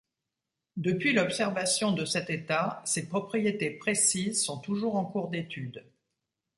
Depuis l’observation de cet état, ses propriétés précises sont toujours en cours d’étude.